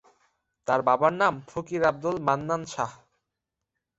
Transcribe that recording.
তার বাবার নাম ফকির আবদুল মান্নান শাহ।